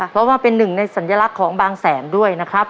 เพราะว่าเป็นหนึ่งในสัญลักษณ์ของบางแสนด้วยนะครับ